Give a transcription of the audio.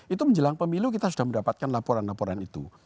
itu menjelang pemilu kita sudah mendapatkan laporan laporan itu